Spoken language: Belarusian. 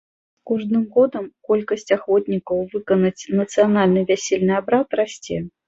З кожным годам колькасць ахвотнікаў выканаць нацыянальны вясельны абрад расце.